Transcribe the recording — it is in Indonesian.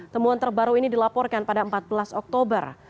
temuan terbaru ini dilaporkan pada empat belas oktober